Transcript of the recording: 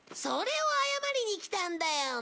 それを謝りに来たんだよ。